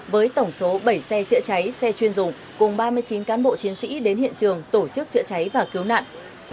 với tổng số bảy xe chữa cháy xe chuyên dùng cùng ba mươi chín cán bộ chiến sĩ đến hiện trường tổ chức chữa cháy và cứu nạn